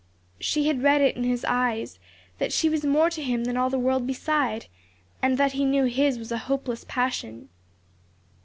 She had read it in his eyes; that she was more to him than all the world beside, and that he knew his was a hopeless passion.